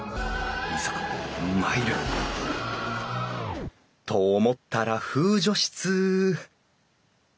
いざ参る！と思ったら風除室